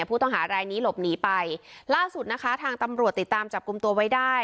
ผู้ต้องหารายนี้หลบหนีไปล่าสุดนะคะทางตำรวจติดตามจับกลุ่มตัวไว้ได้